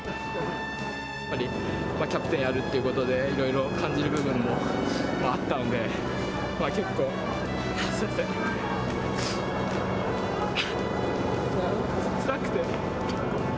やっぱりキャプテンやるってことでいろいろ感じる部分もあったので、結構、すみません、つらくて。